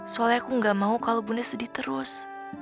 soalnya aku nggak mau kalau bunda sedih terus